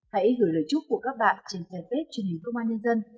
hãy gửi lời chúc của các bạn trên kênh facebook truyền hình công an nhân dân